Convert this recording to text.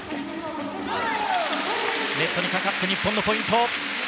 ネットにかかって日本のポイント。